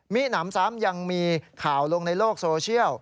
มีหนำซ้ำยังมีข่าวลงในโลกโซเชียล